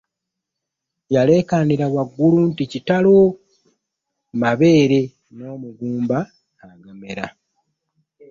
Yalekanira waggulu nti kitalo mabeere n'omugumba agamera .